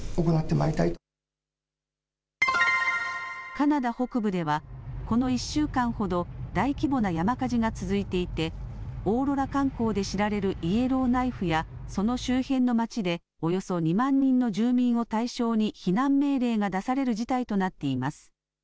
カナダ北部では、この１週間ほど、大規模な山火事が続いていて、オーロラ観光で知られるイエローナイフや、その周辺の町で、およそ２万人の住民を対象に避難命令が出される事態となっています。